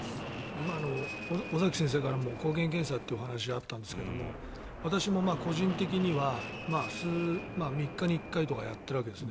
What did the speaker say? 今、尾崎先生からも抗原検査というお話があったんですが私も個人的には、３日に１回とかやっているわけですね。